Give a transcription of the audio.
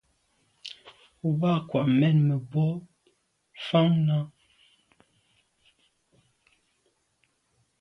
O ba kwa’ mènmebwô fan nà.